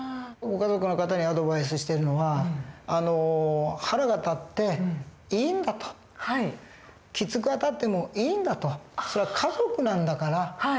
ご家族の方にアドバイスしてるのは腹が立っていいんだときつくあたってもいいんだとそれは家族なんだから。